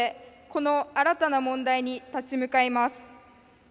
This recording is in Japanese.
この新たな問題に立ち向かいます。